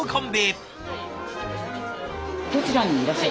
どちらにいらっしゃる？